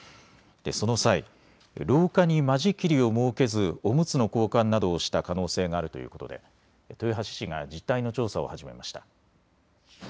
その際、廊下に間仕切りを設けずおむつの交換などをした可能性があるということで豊橋市が実態の調査を始めました。